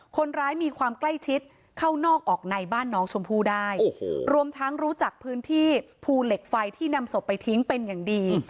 คนร้ายมีความใกล้ชิดเข้านอกออกในบ้านน้องชมพู่ได้โอ้โหรวมทั้งรู้จักพื้นที่ภูเหล็กไฟที่นำศพไปทิ้งเป็นอย่างดี